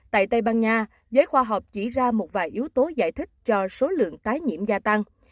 tại tây ban nha giới khoa học chỉ ra một vài yếu tố giải thích cho số lượng tái nhiễm gia tăng